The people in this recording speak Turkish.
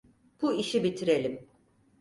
Bu işi bitirelim.